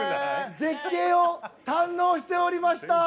絶景を堪能しておりました。